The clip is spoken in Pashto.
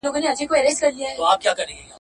له رقیبه مي خنزیر جوړ کړ ته نه وې.